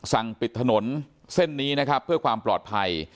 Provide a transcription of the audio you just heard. สั่งปิดถนนเส้นนี้นะครับเพื่อความปลอดภัย